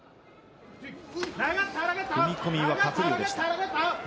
踏み込みは鶴竜でした。